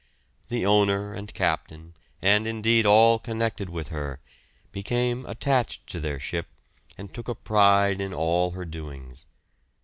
The owner and captain, and, indeed, all connected with her, became attached to their ship and took a pride in all her doings.